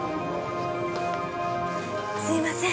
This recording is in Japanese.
すいません。